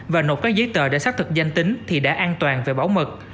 và nộp các giấy tờ để xác thực danh tính thì đã an toàn về bảo mật